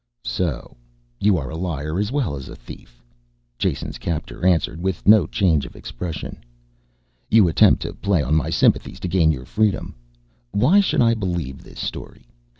"So you are a liar as well as a thief," Jason's captor answered with no change of expression. "You attempt to play on my sympathies to gain your freedom. Why should I believe this story?